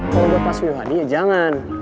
kalo buat paswi hadi ya jangan